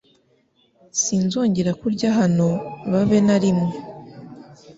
Sinzongera kurya hano babe narimwe.